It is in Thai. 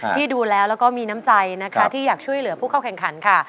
ที่ดูแล้วแล้วก็มีน้ำใจนะคะที่อยากช่วยเหลือผู้เข้าแข่งขันค่ะ